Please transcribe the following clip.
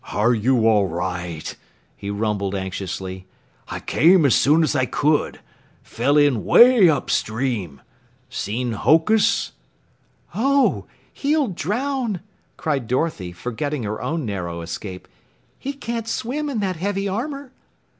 "Are you all right?" he rumbled anxiously. "I came as soon as I could. Fell in way upstream. Seen Hokus?" "Oh, he'll drown," cried Dorothy, forgetting her own narrow escape. "He can't swim in that heavy armor!"